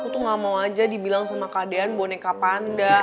aku tuh gak mau aja dibilang sama kak dean boneka panda